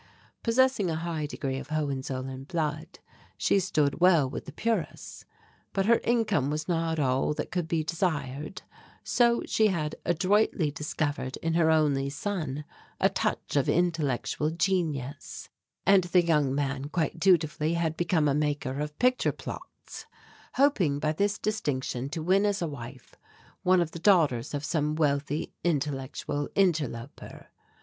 Possessing a high degree of Hohenzollern blood she stood well with the purists. But her income was not all that could be desired, so she had adroitly discovered in her only son a touch of intellectual genius, and the young man quite dutifully had become a maker of picture plots, hoping by this distinction to win as a wife one of the daughters of some wealthy intellectual interloper.